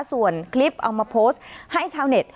ส่วนคลิปเอามาโพสต์ให้ชาวเน็ต